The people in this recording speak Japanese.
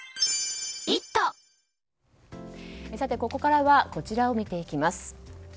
ここからはこちらを見ていきます。